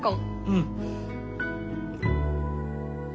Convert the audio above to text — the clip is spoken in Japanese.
うん！